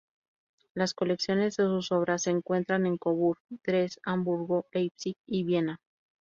Las colecciones de sus obras se encuentran en Coburg, Dresde, Hamburgo, Leipzig y Viena.